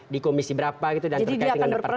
di komisi berapa gitu dan terkait dengan departemen